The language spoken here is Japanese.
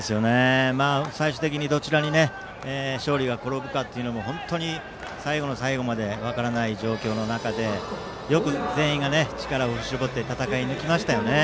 最終的にどちらに勝利が転ぶかも最後の最後まで分からない状況でよく全員が力を振り絞って戦い抜きました。